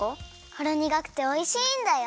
ほろにがくておいしいんだよ。